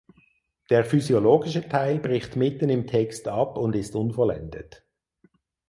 Der physiologische Teil bricht mitten im Text ab und ist unvollendet.